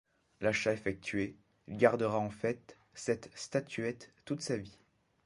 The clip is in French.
L'achat effectué, il gardera en fait cette statuette toute sa vie.